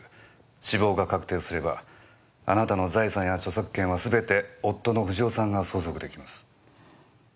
死亡が確定すればあなたの財産や著作権はすべて夫の不二夫さんが相続できます。